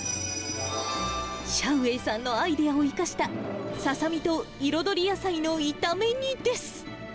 シャウ・ウェイさんのアイデアを生かした、ササミと彩り野菜の炒め煮です。